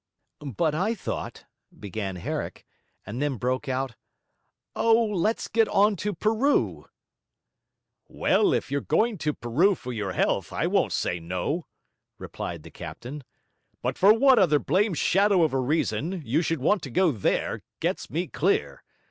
'But I thought,' began Herrick; and then broke out; 'oh, let's get on to Peru!' 'Well, if you're going to Peru for your health, I won't say no!' replied the captain. 'But for what other blame' shadow of a reason you should want to go there, gets me clear.